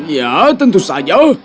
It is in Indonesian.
ya tentu saja